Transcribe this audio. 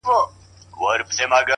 • د انسان زړه آیینه زړه یې صیقل دی,